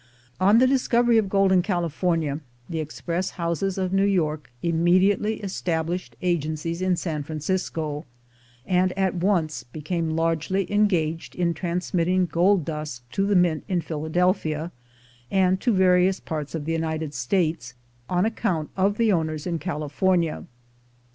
On the discovery of gold in Cali fornia, the express houses of New York immediately established agencies in San Francisco, and at once be came largely engaged in transmitting gold dust to the mint in Philadelphia, and to various parts of the United States, on account of the owners in California.